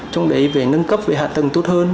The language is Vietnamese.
trong đấy về nâng cấp về hạ tầng tốt hơn